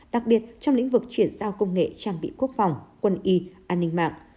đặc biệt trong lĩnh vực chuyển giao công nghệ trang bị quốc phòng quân y an ninh mạng